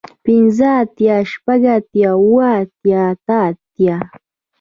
پنځۀ اتيا شپږ اتيا اووه اتيا اتۀ اتيا